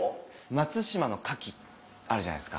松島の牡蠣あるじゃないですか。